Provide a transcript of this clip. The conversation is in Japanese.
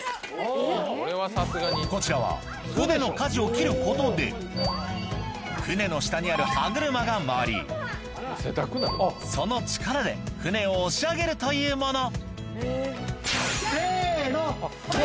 こちらは船の舵を切ることで船の下にある歯車が回りその力で船を押し上げるというものせのはい。